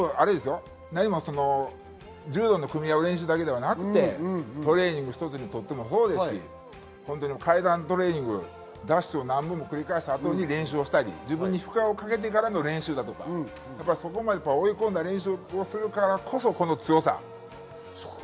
柔道の組み合う練習だけではなくて、トレーニング一つとってもそうですし、階段トレーニング、ダッシュを何本も繰り返した後に練習したり、自分に負荷をかけてからの練習とか、追い込んだ練習をするからこそ、この強さ。